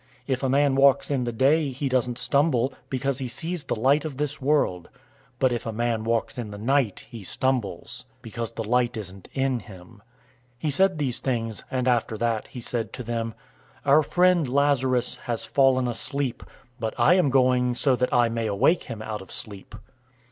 If a man walks in the day, he doesn't stumble, because he sees the light of this world. 011:010 But if a man walks in the night, he stumbles, because the light isn't in him." 011:011 He said these things, and after that, he said to them, "Our friend, Lazarus, has fallen asleep, but I am going so that I may awake him out of sleep."